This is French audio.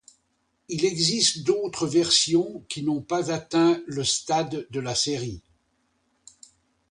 Il existe d'autres versions qui n'ont pas atteint le stade de la série.